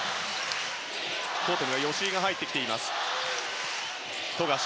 コートには吉井が入ってきています。